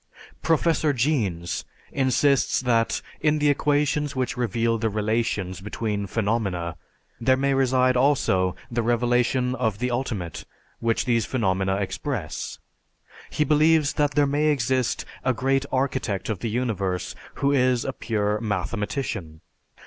Professor Jeans insists that in the equations which reveal the relations between phenomena, there may reside also the revelation of the ultimate which these phenomena express. He believes that there may exist "a great architect of the universe who is a pure mathematician."